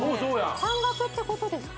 半額ってことですか？